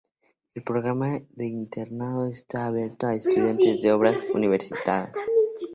El programa de internado está abierto a estudiantes de otras universidades.